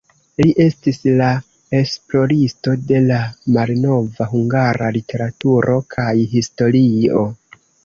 Li estis la esploristo de la malnova hungara literaturo kaj historio.